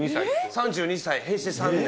３２歳、平成３年。